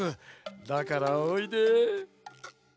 だからおいで！